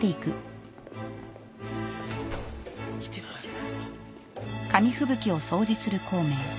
いってらっしゃい。